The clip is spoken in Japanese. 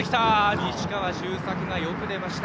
西川周作がよく出ました。